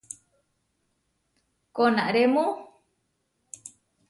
¿Konáremu?